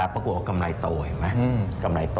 ประกูลกำไรโตเห็นไหม